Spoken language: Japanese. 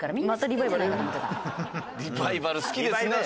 リバイバル好きですね。